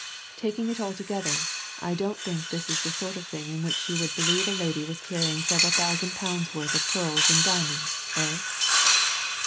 Taking it altogether, I don't think this is the sort of thing in which you would believe a lady was carrying several thousand pounds' worth of pearls and diamonds. Eh?"